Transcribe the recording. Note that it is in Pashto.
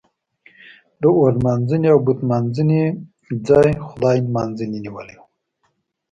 د خدای نمانځنې ځای اور نمانځنې او بت نمانځنې نیولی و.